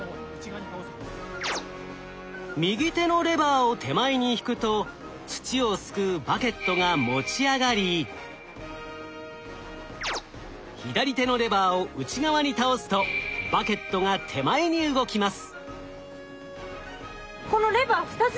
右手のレバーを手前に引くと土をすくうバケットが持ち上がり左手のレバーを内側に倒すとバケットが手前に動きます。